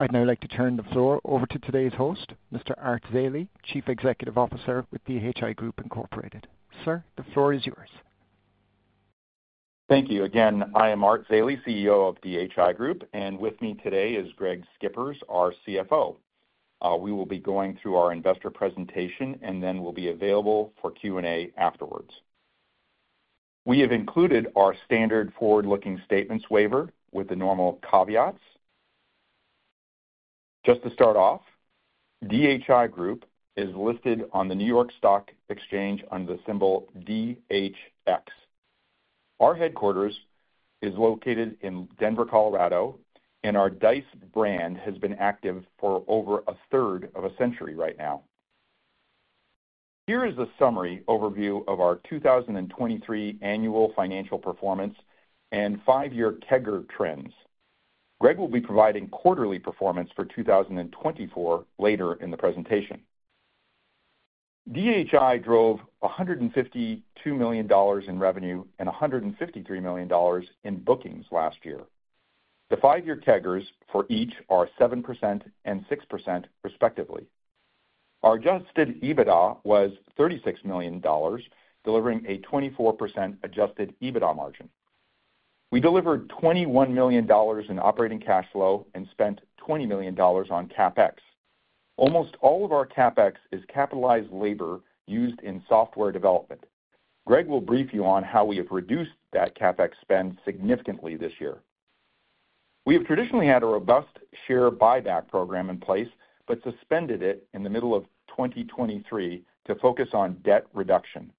I'd now like to turn the floor over to today's host, Mr. Art Zeile, Chief Executive Officer with DHI Group Incorporated. Sir, the floor is yours. Thank you. Again, I am Art Zeile, CEO of DHI Group, and with me today is Greg Schippers, our CFO. We will be going through our investor presentation, and then we'll be available for Q&A afterwards. We have included our standard forward-looking statements waiver with the normal caveats. Just to start off, DHI Group is listed on the New York Stock Exchange under the symbol DHX. Our headquarters is located in Denver, Colorado, and our Dice brand has been active for over a third of a century right now. Here is a summary overview of our 2023 annual financial performance and five-year CAGR trends. Greg will be providing quarterly performance for 2024 later in the presentation. DHI drove $152 million in revenue and $153 million in bookings last year. The five-year CAGRs for each are 7% and 6% respectively. Our adjusted EBITDA was $36 million, delivering a 24% adjusted EBITDA margin. We delivered $21 million in operating cash flow and spent $20 million on CapEx. Almost all of our CapEx is capitalized labor used in software development. Greg will brief you on how we have reduced that CapEx spend significantly this year. We have traditionally had a robust share buyback program in place but suspended it in the middle of 2023 to focus on debt reduction.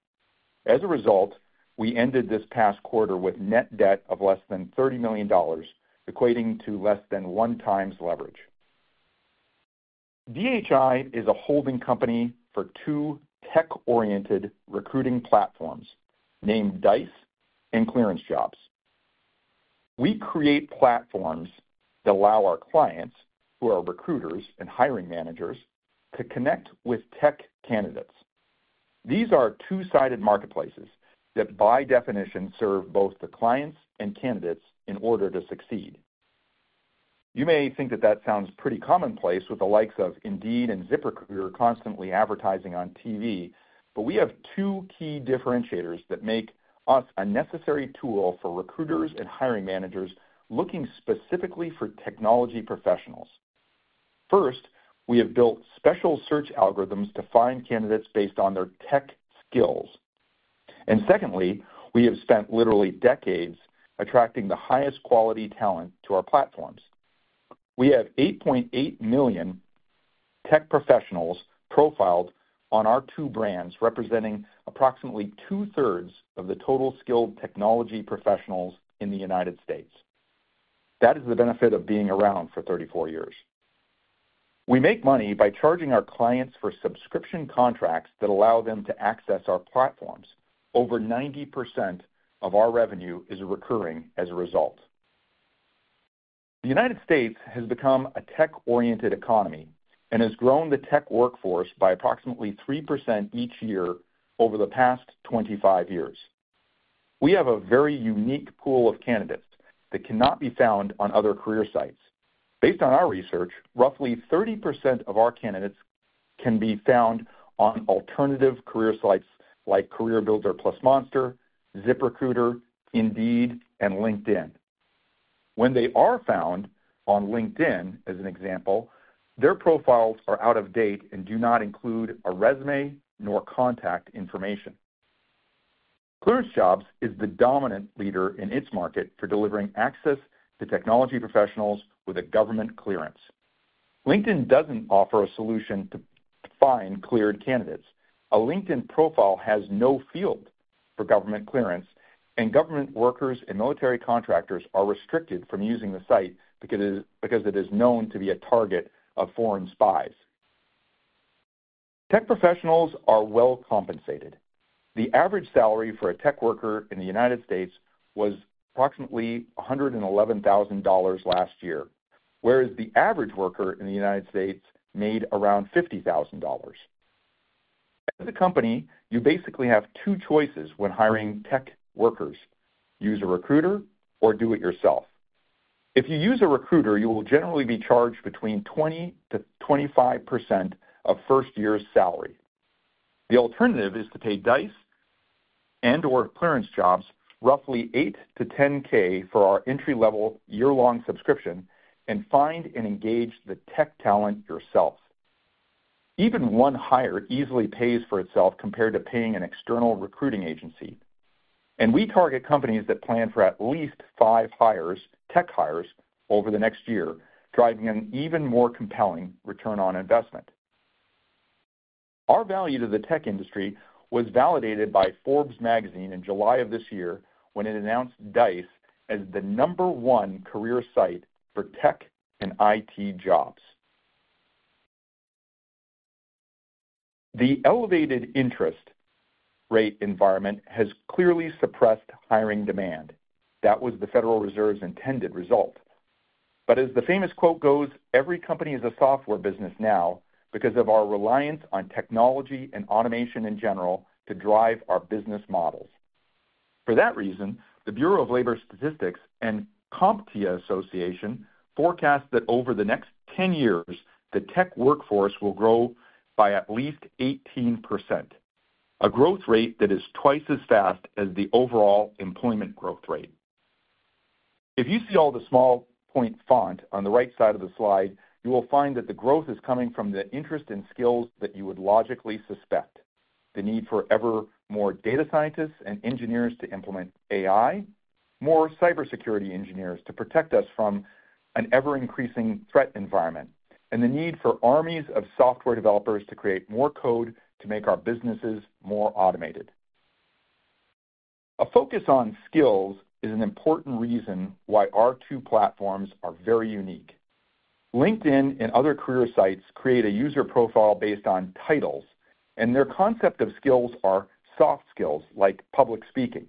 As a result, we ended this past quarter with net debt of less than $30 million, equating to less than 1x leverage. DHI is a holding company for two tech-oriented recruiting platforms named Dice and ClearanceJobs. We create platforms that allow our clients, who are recruiters and hiring managers, to connect with tech candidates. These are two-sided marketplaces that, by definition, serve both the clients and candidates in order to succeed. You may think that that sounds pretty commonplace with the likes of Indeed and ZipRecruiter constantly advertising on TV, but we have two key differentiators that make us a necessary tool for recruiters and hiring managers looking specifically for technology professionals. First, we have built special search algorithms to find candidates based on their tech skills, and secondly, we have spent literally decades attracting the highest quality talent to our platforms. We have 8.8 million tech professionals profiled on our two brands, representing approximately 2/3 of the total skilled technology professionals in the United States. That is the benefit of being around for 34 years. We make money by charging our clients for subscription contracts that allow them to access our platforms. Over 90% of our revenue is recurring as a result. The United States has become a tech-oriented economy and has grown the tech workforce by approximately 3% each year over the past 25 years. We have a very unique pool of candidates that cannot be found on other career sites. Based on our research, roughly 30% of our candidates can be found on alternative career sites like CareerBuilder plus Monster, ZipRecruiter, Indeed, and LinkedIn. When they are found on LinkedIn, as an example, their profiles are out of date and do not include a resume nor contact information. ClearanceJobs is the dominant leader in its market for delivering access to technology professionals with a government clearance. LinkedIn doesn't offer a solution to find cleared candidates. A LinkedIn profile has no field for government clearance, and government workers and military contractors are restricted from using the site because it is known to be a target of foreign spies. Tech professionals are well-compensated. The average salary for a tech worker in the United States was approximately $111,000 last year, whereas the average worker in the United States made around $50,000. At the company, you basically have two choices when hiring tech workers: use a recruiter or do it yourself. If you use a recruiter, you will generally be charged between 20%-25% of first-year's salary. The alternative is to pay Dice and/or ClearanceJobs roughly $8,000-$10,000 for our entry-level year-long subscription and find and engage the tech talent yourself. Even one hire easily pays for itself compared to paying an external recruiting agency, and we target companies that plan for at least five hires, tech hires, over the next year, driving an even more compelling return on investment. Our value to the tech industry was validated by Forbes Magazine in July of this year when it announced Dice as the number one career site for tech and IT jobs. The elevated interest rate environment has clearly suppressed hiring demand. That was the Federal Reserve's intended result, but as the famous quote goes, "Every company is a software business now because of our reliance on technology and automation in general to drive our business models." For that reason, the Bureau of Labor Statistics and CompTIA Association forecast that over the next 10 years, the tech workforce will grow by at least 18%, a growth rate that is 2x as fast as the overall employment growth rate. If you see all the small-point font on the right side of the slide, you will find that the growth is coming from the interest in skills that you would logically suspect: the need for ever more data scientists and engineers to implement AI, more cybersecurity engineers to protect us from an ever-increasing threat environment, and the need for armies of software developers to create more code to make our businesses more automated. A focus on skills is an important reason why our two platforms are very unique. LinkedIn and other career sites create a user profile based on titles, and their concept of skills are soft skills like public speaking.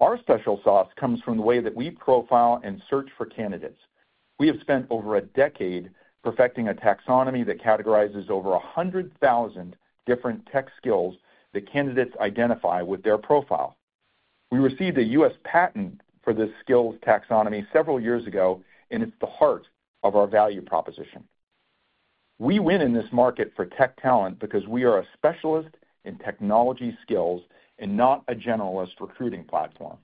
Our special sauce comes from the way that we profile and search for candidates. We have spent over a decade perfecting a taxonomy that categorizes over 100,000 different tech skills that candidates identify with their profile. We received a U.S. patent for this skills taxonomy several years ago, and it's the heart of our value proposition. We win in this market for tech talent because we are a specialist in technology skills and not a generalist recruiting platform.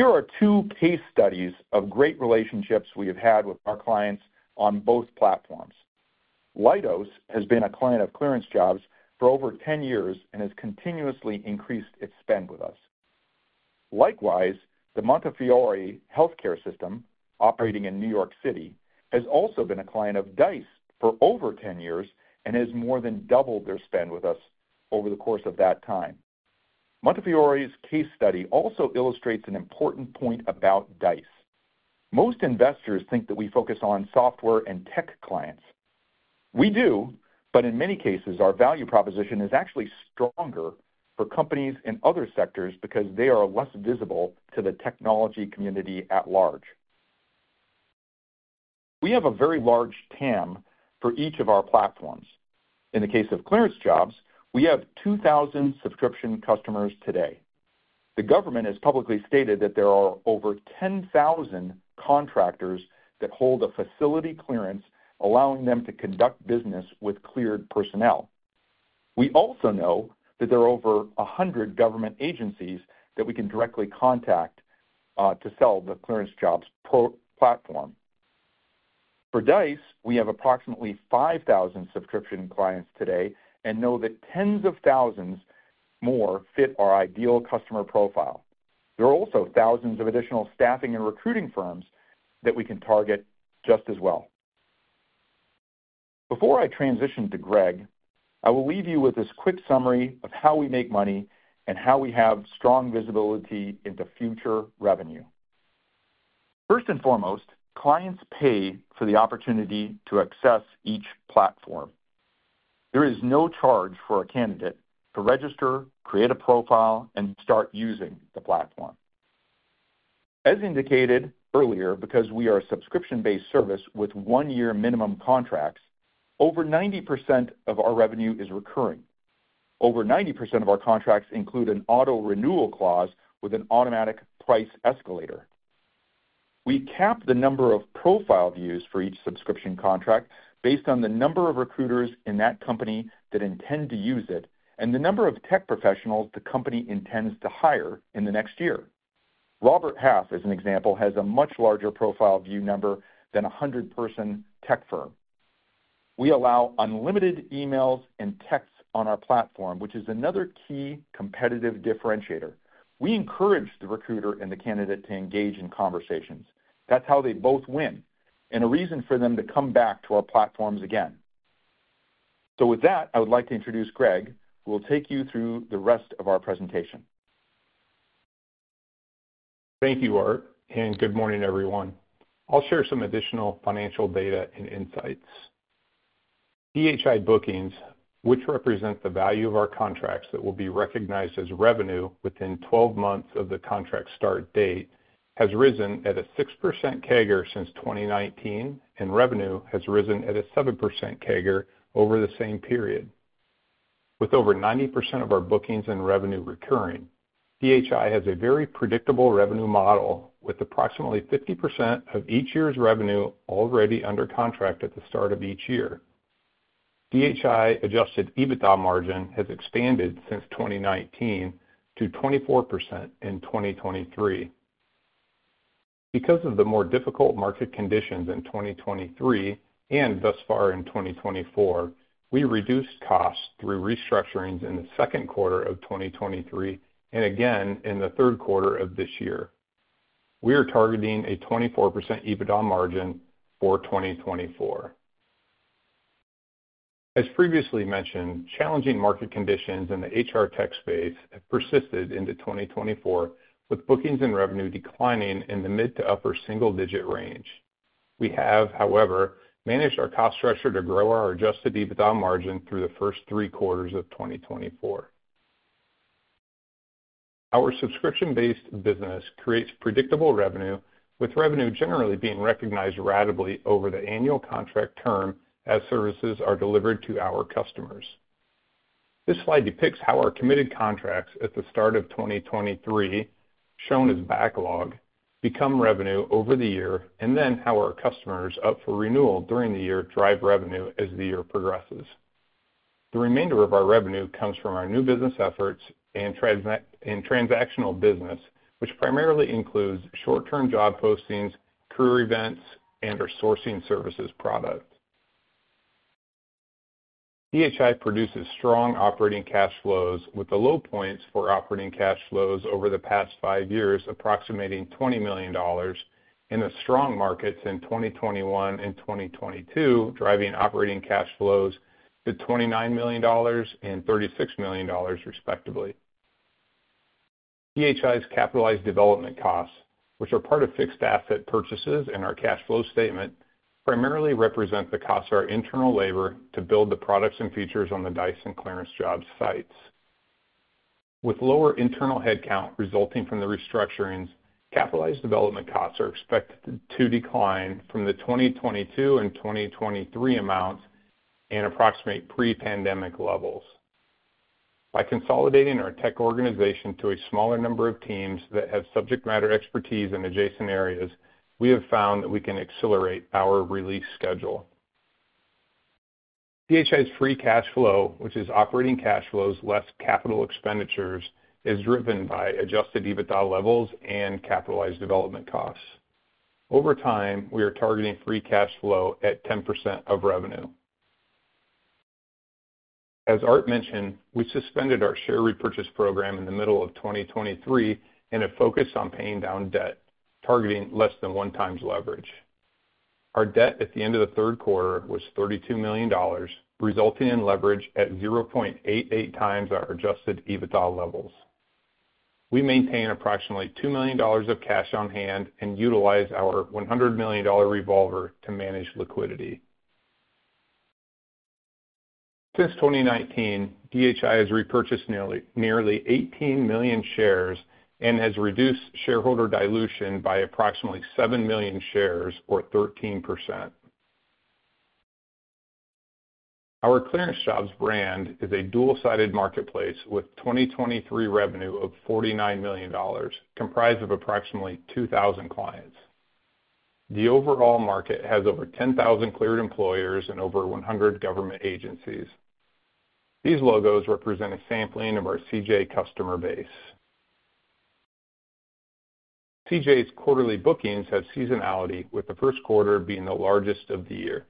Here are two case studies of great relationships we have had with our clients on both platforms. Leidos has been a client of ClearanceJobs for over 10 years and has continuously increased its spend with us. Likewise, the Montefiore Health System, operating in New York City, has also been a client of Dice for over 10 years and has more than doubled their spend with us over the course of that time. Montefiore's case study also illustrates an important point about Dice. Most investors think that we focus on software and tech clients. We do, but in many cases, our value proposition is actually stronger for companies in other sectors because they are less visible to the technology community at large. We have a very large TAM for each of our platforms. In the case of ClearanceJobs, we have 2,000 subscription customers today. The government has publicly stated that there are over 10,000 contractors that hold a Facility Clearance, allowing them to conduct business with cleared personnel. We also know that there are over 100 government agencies that we can directly contact to sell the ClearanceJobs platform. For Dice, we have approximately 5,000 subscription clients today and know that tens of thousands more fit our Ideal Customer Profile. There are also thousands of additional staffing and recruiting firms that we can target just as well. Before I transition to Greg, I will leave you with this quick summary of how we make money and how we have strong visibility into future revenue. First and foremost, clients pay for the opportunity to access each platform. There is no charge for a candidate to register, create a profile, and start using the platform. As indicated earlier, because we are a subscription-based service with one-year minimum contracts, over 90% of our revenue is recurring. Over 90% of our contracts include an auto-renewal clause with an automatic price escalator. We cap the number of profile views for each subscription contract based on the number of recruiters in that company that intend to use it and the number of tech professionals the company intends to hire in the next year. Robert Half, as an example, has a much larger profile view number than a 100-person tech firm. We allow unlimited emails and texts on our platform, which is another key competitive differentiator. We encourage the recruiter and the candidate to engage in conversations. That's how they both win and a reason for them to come back to our platforms again. So with that, I would like to introduce Greg, who will take you through the rest of our presentation. Thank you, Art, and good morning, everyone. I'll share some additional financial data and insights. DHI bookings, which represent the value of our contracts that will be recognized as revenue within 12 months of the contract start date, have risen at a 6% CAGR since 2019, and revenue has risen at a 7% CAGR over the same period. With over 90% of our bookings and revenue recurring, DHI has a very predictable revenue model with approximately 50% of each year's revenue already under contract at the start of each year. DHI's adjusted EBITDA margin has expanded since 2019 to 24% in 2023. Because of the more difficult market conditions in 2023 and thus far in 2024, we reduced costs through restructurings in the second quarter of 2023 and again in the third quarter of this year. We are targeting a 24% EBITDA margin for 2024. As previously mentioned, challenging market conditions in the HR tech space have persisted into 2024, with bookings and revenue declining in the mid to upper single-digit range. We have, however, managed our cost structure to grow our adjusted EBITDA margin through the first three quarters of 2024. Our subscription-based business creates predictable revenue, with revenue generally being recognized ratably over the annual contract term as services are delivered to our customers. This slide depicts how our committed contracts at the start of 2023, shown as backlog, become revenue over the year, and then how our customers up for renewal during the year drive revenue as the year progresses. The remainder of our revenue comes from our new business efforts and transactional business, which primarily includes short-term job postings, career events, and our Sourcing Services product. DHI produces strong operating cash flows, with the low points for operating cash flows over the past five years approximating $20 million, and the strong markets in 2021 and 2022 driving operating cash flows to $29 million and $36 million, respectively. DHI's capitalized development costs, which are part of fixed asset purchases in our cash flow statement, primarily represent the costs of our internal labor to build the products and features on the Dice and ClearanceJobs sites. With lower internal headcount resulting from the restructurings, capitalized development costs are expected to decline from the 2022 and 2023 amounts and approximate pre-pandemic levels. By consolidating our tech organization to a smaller number of teams that have subject matter expertise in adjacent areas, we have found that we can accelerate our release schedule. DHI's free cash flow, which is operating cash flows less capital expenditures, is driven by adjusted EBITDA levels and capitalized development costs. Over time, we are targeting free cash flow at 10% of revenue. As Art mentioned, we suspended our share repurchase program in the middle of 2023 in a focus on paying down debt, targeting less than one-time leverage. Our debt at the end of the third quarter was $32 million, resulting in leverage at 0.88x our adjusted EBITDA levels. We maintain approximately $2 million of cash on hand and utilize our $100 million revolver to manage liquidity. Since 2019, DHI has repurchased nearly 18 million shares and has reduced shareholder dilution by approximately 7 million shares, or 13%. Our ClearanceJobs brand is a dual-sided marketplace with 2023 revenue of $49 million, comprised of approximately 2,000 clients. The overall market has over 10,000 cleared employers and over 100 government agencies. These logos represent a sampling of our CJ customer base. CJ's quarterly bookings have seasonality, with the first quarter being the largest of the year.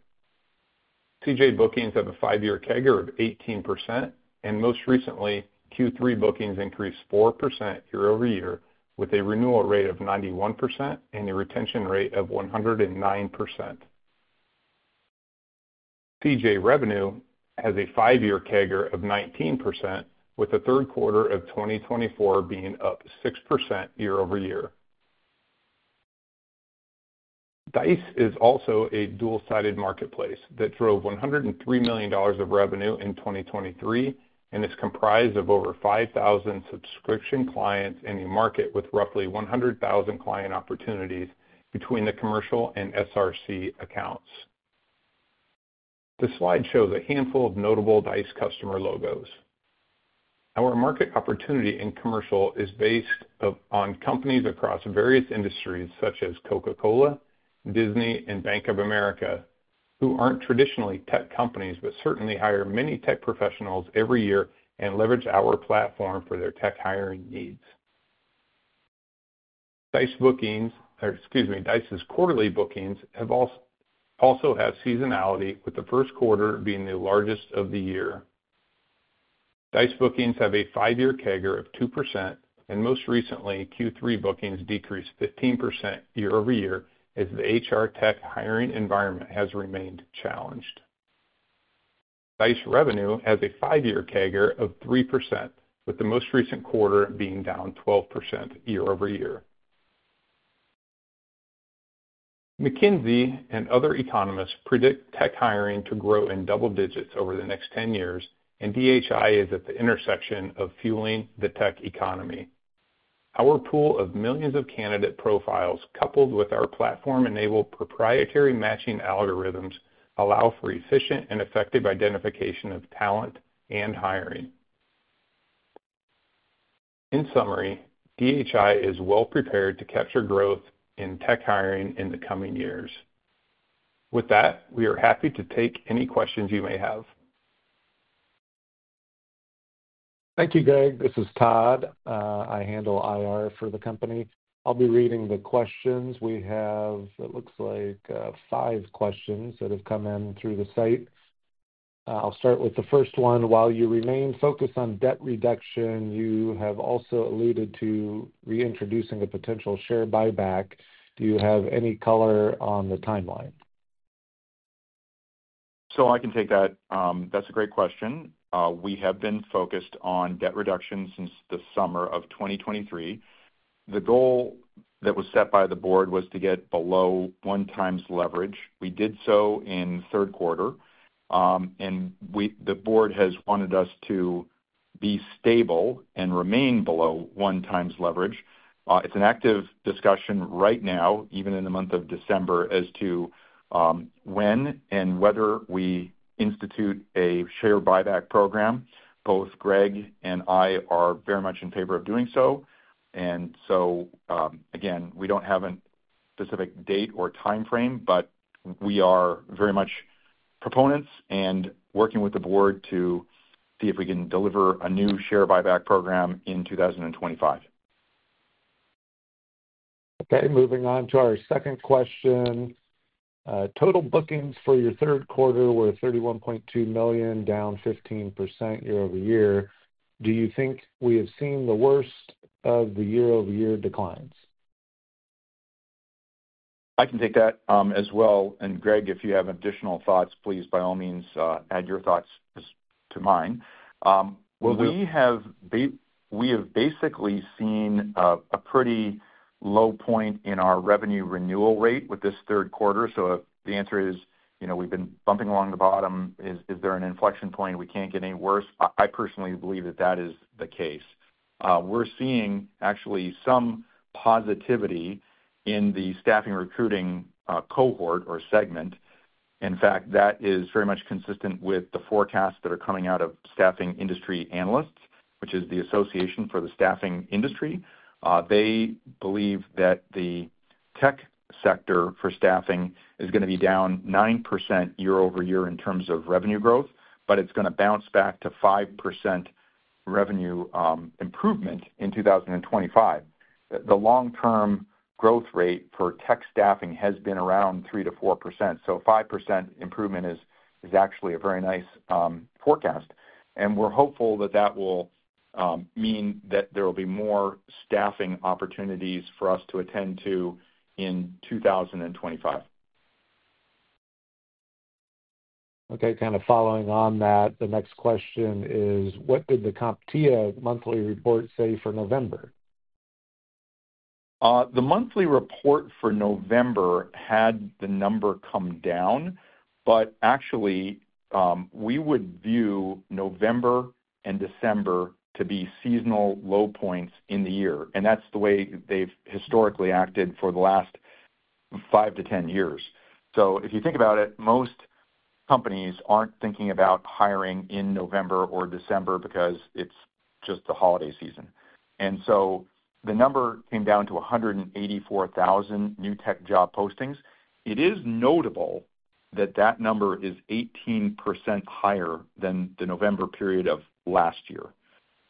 CJ bookings have a five-year CAGR of 18%, and most recently, Q3 bookings increased 4% year-over-year, with a renewal rate of 91% and a retention rate of 109%. CJ revenue has a five-year CAGR of 19%, with the third quarter of 2024 being up 6% year-over-year. Dice is also a dual-sided marketplace that drove $103 million of revenue in 2023 and is comprised of over 5,000 subscription clients in a market with roughly 100,000 client opportunities between the commercial and SRC accounts. The slide shows a handful of notable Dice customer logos. Our market opportunity in commercial is based on companies across various industries, such as Coca-Cola, Disney, and Bank of America, who aren't traditionally tech companies but certainly hire many tech professionals every year and leverage our platform for their tech hiring needs. Dice bookings, excuse me, Dice's quarterly bookings also have seasonality, with the first quarter being the largest of the year. Dice bookings have a five-year CAGR of 2%, and most recently, Q3 bookings decreased 15% year-over-year as the HR tech hiring environment has remained challenged. Dice revenue has a five-year CAGR of 3%, with the most recent quarter being down 12% year-over-year. McKinsey and other economists predict tech hiring to grow in double digits over the next 10 years, and DHI is at the intersection of fueling the tech economy. Our pool of millions of candidate profiles, coupled with our platform-enabled proprietary matching algorithms, allows for efficient and effective identification of talent and hiring. In summary, DHI is well-prepared to capture growth in tech hiring in the coming years. With that, we are happy to take any questions you may have. Thank you, Greg. This is Todd. I handle IR for the company. I'll be reading the questions. We have, it looks like, five questions that have come in through the site. I'll start with the first one. While you remain focused on debt reduction, you have also alluded to reintroducing a potential share buyback. Do you have any color on the timeline? So I can take that. That's a great question. We have been focused on debt reduction since the summer of 2023. The goal that was set by the Board was to get below 1x leverage. We did so in the third quarter, and the Board has wanted us to be stable and remain below 1x leverage. It's an active discussion right now, even in the month of December, as to when and whether we institute a share buyback program. Both Greg and I are very much in favor of doing so. And so, again, we don't have a specific date or timeframe, but we are very much proponents and working with the Board to see if we can deliver a new share buyback program in 2025. Okay. Moving on to our second question. Total bookings for your third quarter were $31.2 million, down 15% year-over-year. Do you think we have seen the worst of the year-over-year declines? I can take that as well. And Greg, if you have additional thoughts, please, by all means, add your thoughts to mine. Please. We have basically seen a pretty low point in our revenue renewal rate with this third quarter. So if the answer is we've been bumping along the bottom, is there an inflection point? We can't get any worse. I personally believe that that is the case. We're seeing actually some positivity in the staffing recruiting cohort or segment. In fact, that is very much consistent with the forecasts that are coming out of Staffing Industry Analysts, which is the Association for the Staffing Industry. They believe that the tech sector for staffing is going to be down 9% year-over-year in terms of revenue growth, but it's going to bounce back to 5% revenue improvement in 2025. The long-term growth rate for tech staffing has been around 3%-4%. So 5% improvement is actually a very nice forecast. We're hopeful that that will mean that there will be more staffing opportunities for us to attend to in 2025. Okay. Kind of following on that, the next question is, what did the CompTIA monthly report say for November? The monthly report for November had the number come down, but actually, we would view November and December to be seasonal low points in the year. And that's the way they've historically acted for the last five to 10 years. So if you think about it, most companies aren't thinking about hiring in November or December because it's just the holiday season. And so the number came down to 184,000 new tech job postings. It is notable that that number is 18% higher than the November period of last year.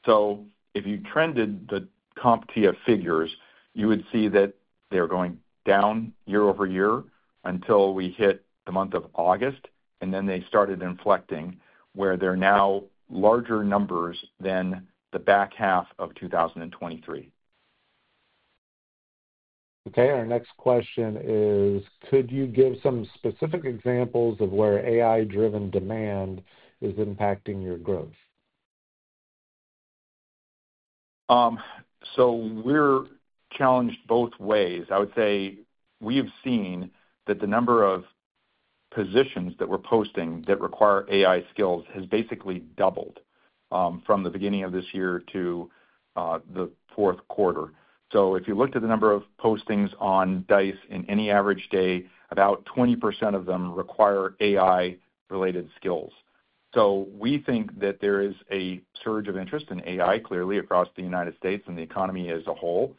So if you trended the CompTIA figures, you would see that they're going down year-over-year until we hit the month of August, and then they started inflecting, where they're now larger numbers than the back half of 2023. Okay. Our next question is, could you give some specific examples of where AI-driven demand is impacting your growth? So we're challenged both ways. I would say we have seen that the number of positions that we're posting that require AI skills has basically doubled from the beginning of this year to the fourth quarter. So if you looked at the number of postings on Dice in any average day, about 20% of them require AI-related skills. So we think that there is a surge of interest in AI, clearly, across the United States and the economy as a whole.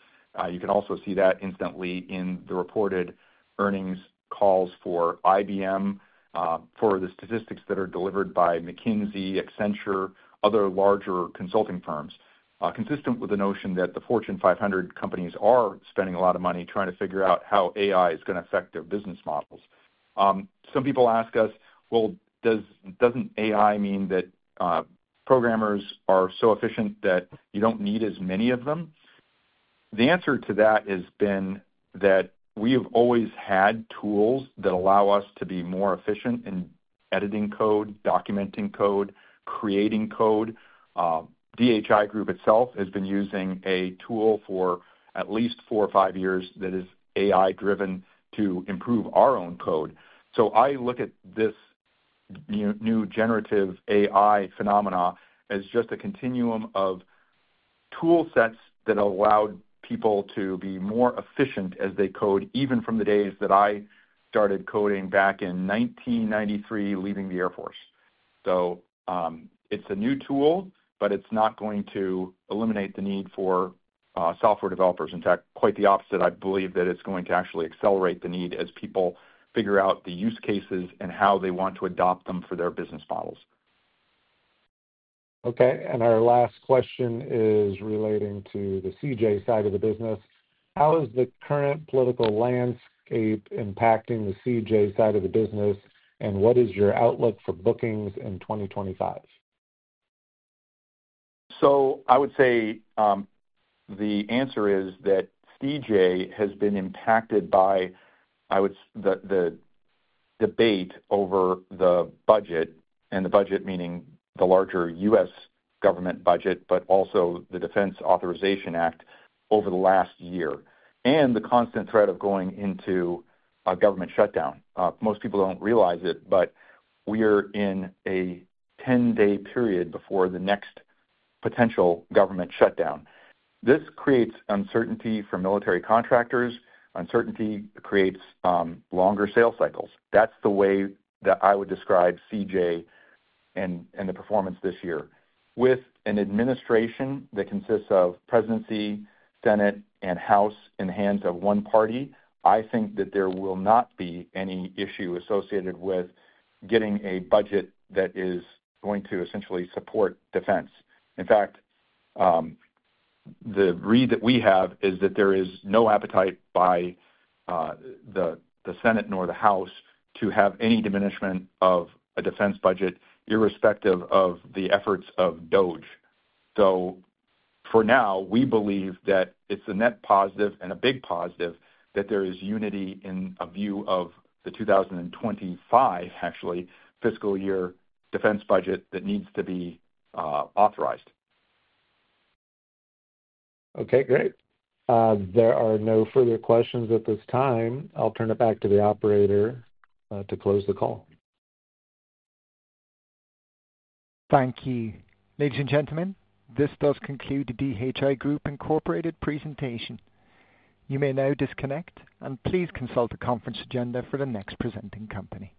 You can also see that instantly in the reported earnings calls for IBM, for the statistics that are delivered by McKinsey, Accenture, other larger consulting firms, consistent with the notion that the Fortune 500 companies are spending a lot of money trying to figure out how AI is going to affect their business models. Some people ask us, "Well, doesn't AI mean that programmers are so efficient that you don't need as many of them?" The answer to that has been that we have always had tools that allow us to be more efficient in editing code, documenting code, creating code. DHI Group itself has been using a tool for at least four or five years that is AI-driven to improve our own code. So I look at this new generative AI phenomenon as just a continuum of tool sets that allowed people to be more efficient as they code, even from the days that I started coding back in 1993, leaving the Air Force. So it's a new tool, but it's not going to eliminate the need for software developers. In fact, quite the opposite. I believe that it's going to actually accelerate the need as people figure out the use cases and how they want to adopt them for their business models. Okay. And our last question is relating to the CJ side of the business. How is the current political landscape impacting the CJ side of the business, and what is your outlook for bookings in 2025? So I would say the answer is that CJ has been impacted by the debate over the budget, and the budget meaning the larger U.S. government budget, but also the Defense Authorization Act over the last year, and the constant threat of going into a government shutdown. Most people don't realize it, but we are in a 10-day period before the next potential government shutdown. This creates uncertainty for military contractors. Uncertainty creates longer sales cycles. That's the way that I would describe CJ and the performance this year. With an administration that consists of the presidency, Senate, and House in the hands of one party, I think that there will not be any issue associated with getting a budget that is going to essentially support defense. In fact, the read that we have is that there is no appetite by the Senate nor the House to have any diminishment of a defense budget, irrespective of the efforts of DOGE. So for now, we believe that it's a net positive and a big positive that there is unity in a view of the 2025, actually, fiscal year defense budget that needs to be authorized. Okay. Great. There are no further questions at this time. I'll turn it back to the operator to close the call. Thank you. Ladies and gentlemen, this does conclude DHI Group Incorporated's presentation. You may now disconnect, and please consult the conference agenda for the next presenting company.